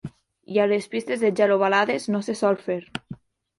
I a les pistes de gel ovalades no se sol fer.